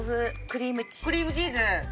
クリームチーズ。